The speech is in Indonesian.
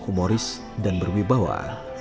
humoris dan berwibawa